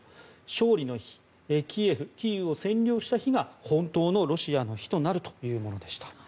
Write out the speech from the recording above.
勝利の日キエフ、キーウを占領した日が本当のロシアの日となるという内容でした。